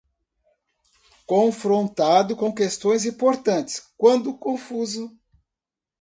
Confrontado com questões importantes quando confuso